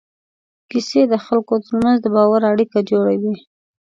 کیسې د خلکو تر منځ د باور اړیکه جوړوي.